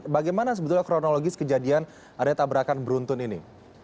bagaimana sebetulnya kronologis kejadian adanya tabrakan beruntun ini